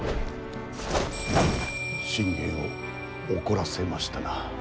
信玄を怒らせましたな。